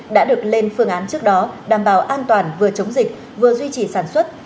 đã được lên phương án trước đó đảm bảo an toàn vừa chống dịch vừa duy trì sản xuất